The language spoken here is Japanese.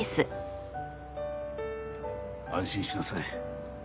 安心しなさい。